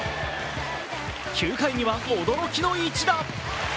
９回に驚きの一打。